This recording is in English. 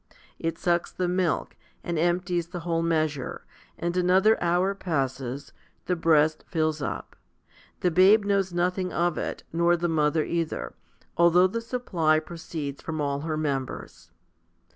It HOMILY XII 95 sucks the milk, and empties the whole'measure ; and another hour passes the breast fills up. The babe knows nothing of it, nor the mother either, although the supply proceeds from all her members.